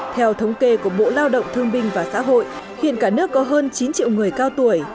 theo thống kê của bộ lao động thương binh và xã hội hiện cả nước có hơn chín triệu người cao tuổi